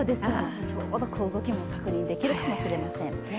ちょうど動きも確認できるかもしれません。